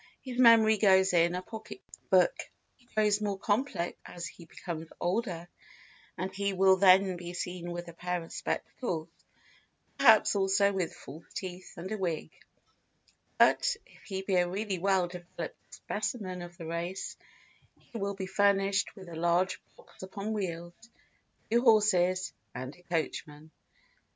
His memory goes in a pocket book. He grows more complex as he becomes older and he will then be seen with a pair of spectacles, perhaps also with false teeth and a wig; but, if he be a really well developed specimen of the race, he will be furnished with a large box upon wheels, two horses, and a coachman.